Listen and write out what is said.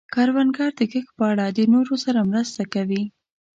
کروندګر د کښت په اړه د نورو سره مرسته کوي